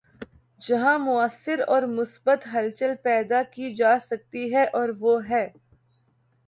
جہاں مؤثر اور مثبت ہلچل پیدا کی جا سکتی ہے‘ اور وہ ہے۔